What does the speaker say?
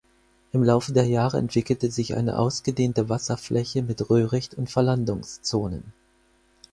Im Laufe der Jahre entwickelte sich eine ausgedehnte Wasserfläche mit Röhricht und Verlandungszonen.